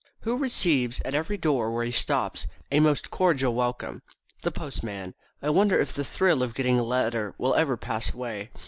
Who receives, at every door where he stops, a most cordial welcome? The Postman. I wonder if the thrill of getting a letter will ever pass away.